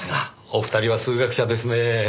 お二人は数学者ですねぇ。